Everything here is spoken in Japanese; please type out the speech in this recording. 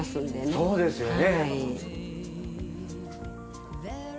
そうですよね！